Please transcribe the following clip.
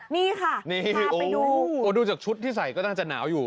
นี่ค่ะดูจากชุดที่ใส่ก็น่าจะหนาวอยู่